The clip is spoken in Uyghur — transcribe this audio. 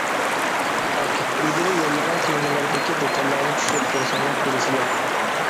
پاكىت: ئىلگىرى يوللىغان تېمىلىرىدىكى دېتاللارنى چۈشۈرۈپ كۆرسەڭلار بىلىسىلەر.